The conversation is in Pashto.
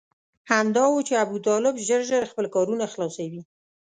همدا و چې ابوطالب ژر ژر خپل کارونه خلاصوي.